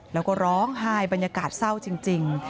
แล้วก็ร้องไห้บรรยากาศเศร้าจริง